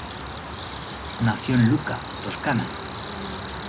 Nació en Lucca, Toscana.